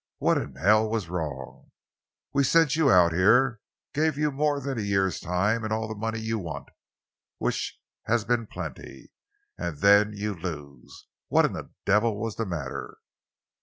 "What in hell was wrong? We send you out here, give you more than a year's time and all the money you want—which has been plenty—and then you lose. What in the devil was the matter?"